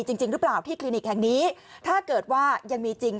จริงจริงหรือเปล่าที่คลินิกแห่งนี้ถ้าเกิดว่ายังมีจริง